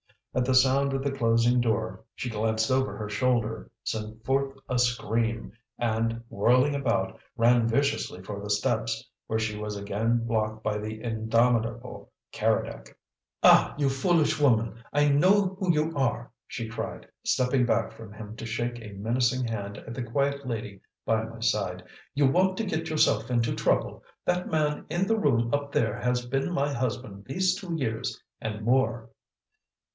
At the sound of the closing door, she glanced over her shoulder, sent forth a scream, and, whirling about, ran viciously for the steps, where she was again blocked by the indomitable Keredec. "Ah, you foolish woman, I know who you are," she cried, stepping back from him to shake a menacing hand at the quiet lady by my side. "You want to get yourself into trouble! That man in the room up there has been my husband these two years and more."